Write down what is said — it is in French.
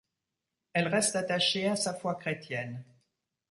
Elle reste attachée à sa foi chrétienne.